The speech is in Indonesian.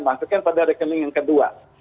masukkan pada rekening yang kedua